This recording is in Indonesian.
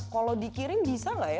kalau dikirim bisa nggak ya